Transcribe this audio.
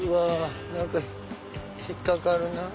何か引っ掛かるなぁ。